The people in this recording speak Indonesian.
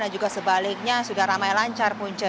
dan juga sebaliknya sudah ramai lancar punca